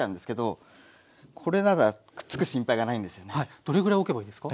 どれぐらいおけばいいんですか？